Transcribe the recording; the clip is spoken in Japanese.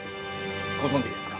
◆ご存じですか。